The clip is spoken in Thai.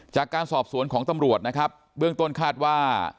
จากการสอบสวนของตำรวจนะครับเบื้องต้นคาดว่า